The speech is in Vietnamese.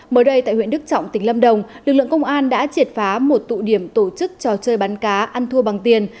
mới đây tại huyện đức trọng tỉnh lâm đồng lực lượng công an đã triệt phá một tụ điểm tổ chức trò chơi bắn cá ăn thua bằng tiền